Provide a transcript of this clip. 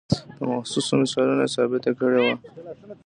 په محسوسو مثالونو یې ثابته کړې وه.